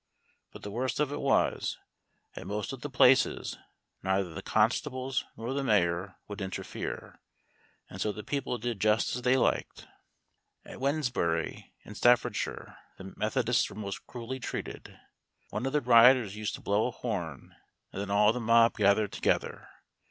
But the worst of it was, at most of the places, neither the constables nor the mayor would interfere, and so the people did just as they liked. At Wednesbury, in Staffordshire, the Methodists were most cruelly treated. One of the rioters used to blow a horn, and then all the mob gathered together.